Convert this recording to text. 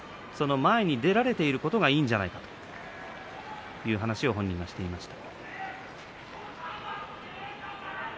前に出られていることがいいんじゃないかという話を本人がしていました。